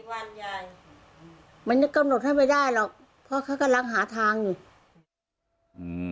เหมือนจะกำหนดให้ไม่ได้หรอกเพราะเขากำลังหาทางอยู่